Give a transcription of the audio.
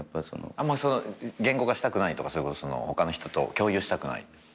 あんま言語化したくないとか他の人と共有したくない？